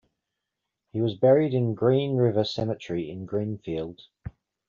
He was buried in Green River Cemetery in Greenfield.